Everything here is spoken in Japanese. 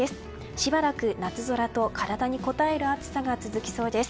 しばらく夏空と体にこたえる暑さが続きそうです。